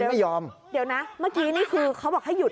ไม่ยอมเดี๋ยวนะเมื่อกี้นี่คือเขาบอกให้หยุด